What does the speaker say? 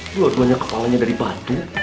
dua duanya kepala dari batu